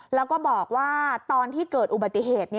แล้วก็บอกว่าตอนที่เกิดอุบัติเหตุ